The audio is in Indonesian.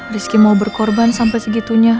rizky mau berkorban sampai segitunya